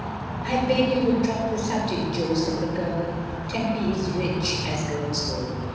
"I beg you will drop the subject, Jo/' said the Colonel. "Tempy is rich, as girls go.